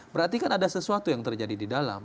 berarti kan ada sesuatu yang terjadi di dalam